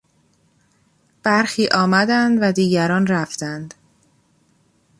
برخی آمدند و دیگران رفتند.